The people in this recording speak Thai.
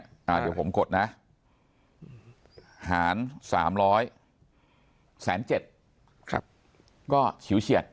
เดี๋ยวผมกดนะหาร๓๐๐แสน๗ก็เฉียวเฉียด